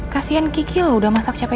kasian kiki loh udah masak capek